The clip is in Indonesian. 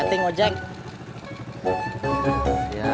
kenapa enggak dagang kerak telur orang betawi